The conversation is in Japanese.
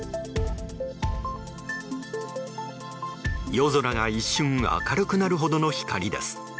夜空が一瞬明るくなるほどの光です。